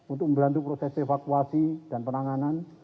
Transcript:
untuk membantu proses evakuasi dan penanganan